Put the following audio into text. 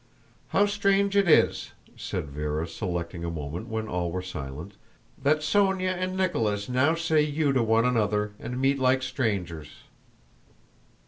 "How strange it is," said Véra, selecting a moment when all were silent, "that Sónya and Nicholas now say you to one another and meet like strangers."